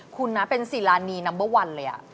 คุณเป็นสีลานีนัมเบอร์๑เลย